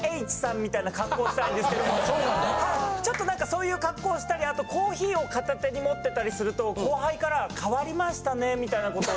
ちょっと何かそういう恰好をしたりあとコーヒーを片手に持ってたりすると後輩から「変わりましたね」みたいな事を。